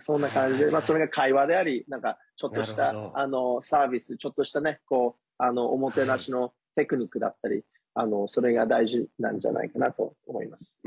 そんな感じで、それが会話でありちょっとしたサービスちょっとしたおもてなしのテクニックだったりそれが大事なんじゃないかなと思います。